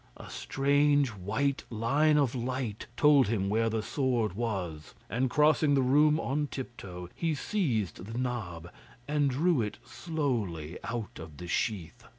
A strange white line of light told him where the sword was, and crossing the room on tiptoe, he seized the knob, and drew it slowly out of the sheath.